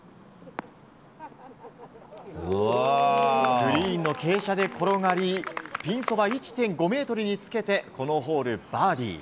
グリーンの傾斜で転がりピンそば１．５ｍにつけてこのホール、バーディー。